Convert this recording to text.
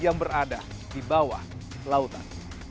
yang berada di bawah lautan